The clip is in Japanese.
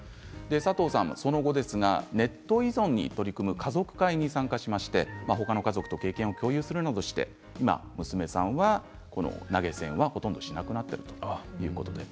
佐藤さんのその後、ネット依存に取り組む家族会に参加しまして他の家族と経験を共有するなどして娘さんは投げ銭をほとんどしなくなったということなんです。